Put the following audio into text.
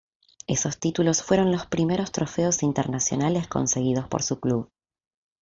Esos títulos fueron los primeros trofeos internacionales conseguidos por su club.